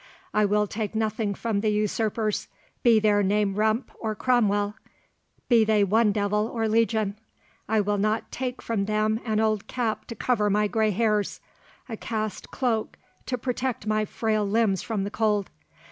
I will take nothing from the usurpers, be their name Rump or Cromwell—be they one devil or legion—I will not take from them an old cap to cover my grey hairs—a cast cloak to protect my frail limbs from the cold.